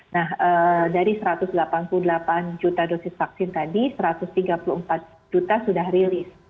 nah dari satu ratus delapan puluh delapan juta dosis vaksin tadi satu ratus tiga puluh empat juta sudah rilis